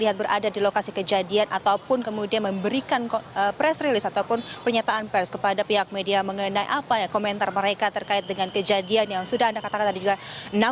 yang berada di lokasi kejadian ataupun kemudian memberikan press release ataupun pernyataan pers kepada pihak media mengenai apa ya komentar mereka terkait dengan kejadian yang sudah anda katakan tadi juga